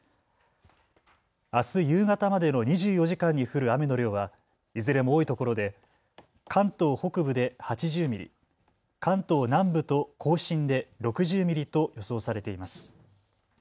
あす夕方までの２４時間に降る雨の量はいずれも多いところで関東北部で８０ミリ、関東南部と甲信で６０ミリと予想されています。